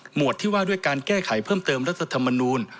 วดที่ว่าด้วยการแก้ไขเพิ่มเติมรัฐธรรมนูล